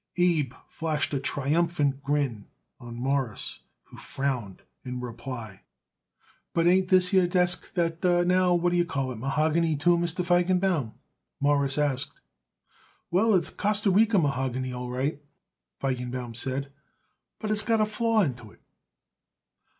Abe flashed a triumphant grin on Morris, who frowned in reply. "But ain't this here desk that now what yer call it mahogany, too, Mr. Feigenbaum?" Morris asked. "Well, it's Costa Rica mahogany, all right," Feigenbaum said, "but it's got a flaw into it."